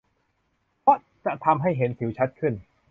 เพราะจะทำให้เห็นสิวชัดขึ้น